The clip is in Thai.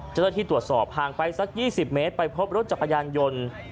เจ้าหน้าที่ตรวจสอบห่างไปสัก๒๐เมตรไปพบรถจักรยานยนต์